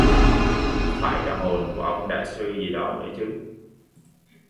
Phải cả hồn của ông đại sư gì đó nữa chứ